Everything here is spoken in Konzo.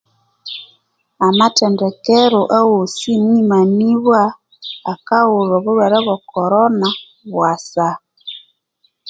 Amathendekero awosi mwimanibwa akaghulhu obulhwere obwe korona bwasa.